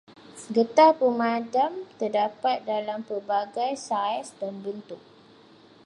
Getah pemadam terdapat dalam pelbagai saiz dan bentuk.